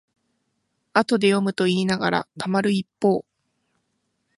後で読むといいながらたまる一方